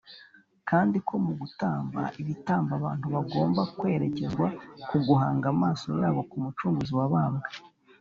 kandi ko mu gutamba ibitambo abantu bagombaga kwerekezwa ku guhanga amaso yabo ku mucunguzi wabambwe